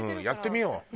やってみよう。